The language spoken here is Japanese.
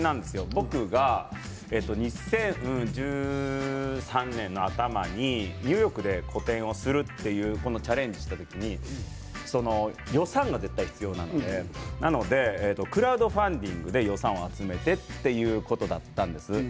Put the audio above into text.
僕は２０１３年の頭にニューヨークで個展をするというチャレンジをした時に予算が必要なのでクラウドファンディングで予算を集めてということだったんです。